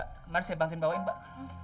kemarin saya bangkitin bawain mbak